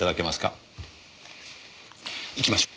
行きましょう。